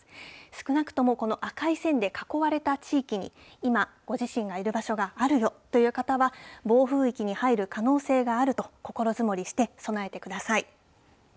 少なくともこの赤い線で囲われた地域に今、ご自身がいる場所があるよという方は、暴風域に入る可能性があると心づもりして備えてください。